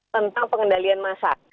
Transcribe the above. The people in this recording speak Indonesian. tentang pengendalian masa